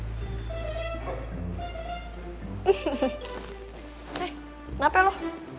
eh kenapa lo